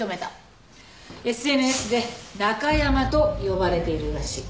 ＳＮＳでナカヤマと呼ばれているらしい。